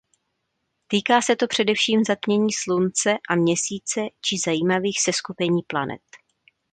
Týká se to především zatmění Slunce a Měsíce či zajímavých seskupení planet.